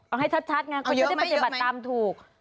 เอาให้ชัดนะเขาจะได้ประเศษบัติตามถูก